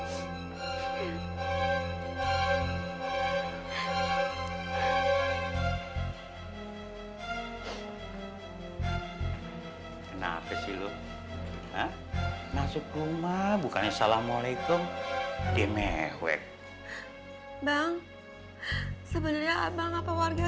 sampai jumpa di video selanjutnya